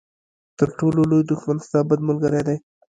تر ټولو لوی دښمن ستا بد ملګری دی.